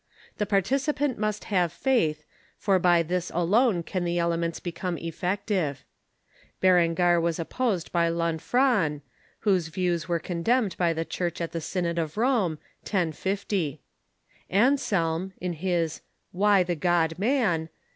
The participant must have faith, for by this alone can the elements become effective. Berengar Avas opposed by Lanfranc, whose views were condemned by the Church at the Synod of Rome, 1050. Anselm, in his "Why the God Man?"